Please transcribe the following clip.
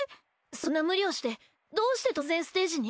そんな無理をしてどうして突然ステージに！？